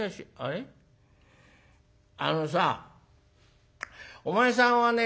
あのさお前さんはね